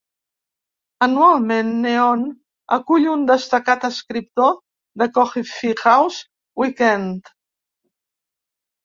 Anualment, "Neon" acull un destacat escriptor de "Coffeehouse Weekend.